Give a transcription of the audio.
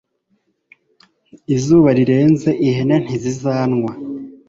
izuba rirenze. ihene ntizizanwa